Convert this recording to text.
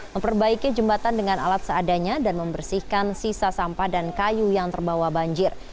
memperbaiki jembatan dengan alat seadanya dan membersihkan sisa sampah dan kayu yang terbawa banjir